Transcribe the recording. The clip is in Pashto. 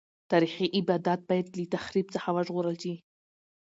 تاریخي ابدات باید له تخریب څخه وژغورل شي.